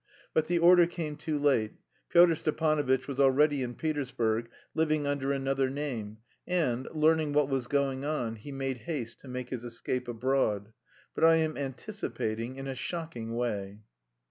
But the order came too late: Pyotr Stepanovitch was already in Petersburg, living under another name, and, learning what was going on, he made haste to make his escape abroad.... But I am anticipating in a shocking way.